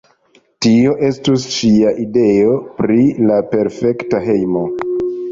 Tio estus ŝia ideo pri la perfekta hejmo.